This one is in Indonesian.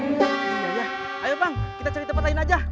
iya iya ayo bang kita cari tempat lain aja